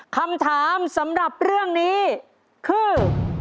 คำถามสำหรับเรื่องนี้คือ